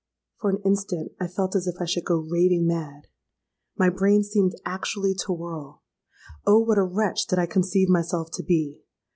"For an instant I felt as if I should go raving mad. My brain seemed actually to whirl. Oh! what a wretch did I conceive myself to be!